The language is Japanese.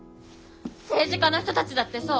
政治家の人たちだってそう！